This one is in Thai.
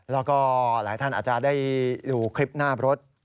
แล้วก็หลายท่านอาจจะได้ดูคลิปหน้ารถ